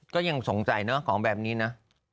ก็ยังสงสัยเนอะของแบบนี้นะ